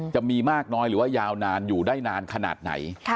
จะมีมากน้อยหรือว่ายาวนานอยู่ได้นานขนาดไหน